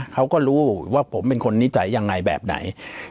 เขาก็รู้ว่าผมเป็นคนนิสัยยังไงแบบไหน